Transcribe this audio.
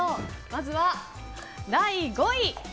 まずは、第５位。